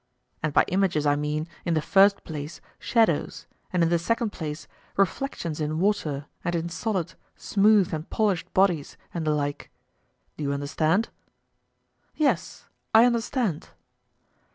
And by images I mean, in the first place, shadows, and in the second place, reflections in water and in solid, smooth and polished bodies and the like: Do you understand? Yes, I understand.